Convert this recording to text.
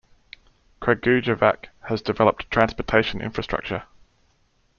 Kragujevac has developed transportation infrastructure.